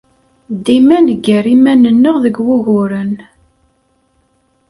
Dima neggar iman-nneɣ deg wuguren.